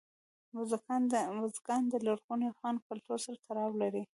بزګان د لرغوني افغان کلتور سره تړاو لري.